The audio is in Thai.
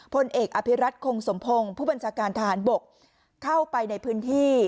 พลเอกอภิรัตคงสมพงศ์ผู้บัญชาการทหารบกเข้าไปในพื้นที่